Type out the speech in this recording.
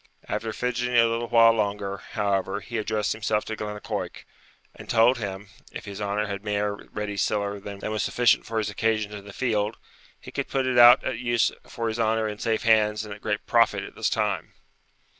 After fidgeting a little while longer, however, he addressed himself to Glennaquoich, and told him, if his honour had mair ready siller than was sufficient for his occasions in the field, he could put it out at use for his honour in safe hands and at great profit at this time.